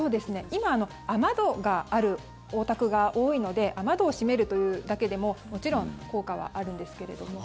今、雨戸があるお宅が多いので雨戸を閉めるというだけでももちろん効果はあるんですけれども。